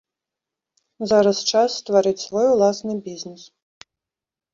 Зараз час стварыць свой уласны бізнес.